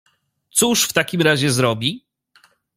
"Cóż w takim razie zrobi?"